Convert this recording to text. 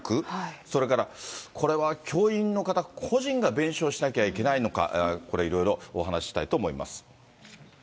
それからこれは教員の方、個人が弁償しなきゃいけないのか、これいろいろお話ししたいと思います。